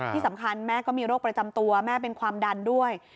ที่สำคัญแม่ก็มีโรคประจำตัวแม่เป็นความดันด้วย